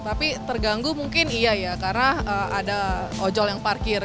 tapi terganggu mungkin iya ya karena ada ojol yang parkir